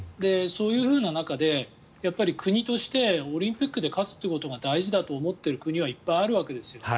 そういう中で、国としてオリンピックで勝つということが大事だと思ってる国はいっぱいあるわけですよ。